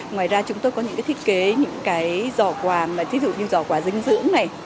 ngoài ra chúng tôi có những cái thiết kế những cái giỏ quà ví dụ giỏ quà dinh dưỡng này